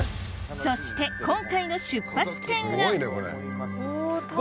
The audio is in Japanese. そして今回の出発点がうわ